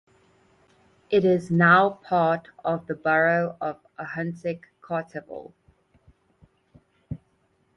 It is now part of the borough of Ahuntsic-Cartierville.